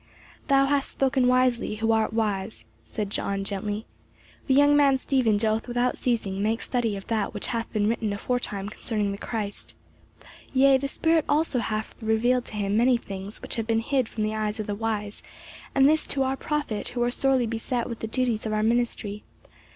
"Thou hast spoken wisely, who art wise," said John gently. "The young man Stephen doth without ceasing make study of that which hath been written aforetime concerning the Christ. Yea, the spirit also hath revealed to him many things which have been hid from the eyes of the wise; and this to our profit who are sorely beset with the duties of our ministry.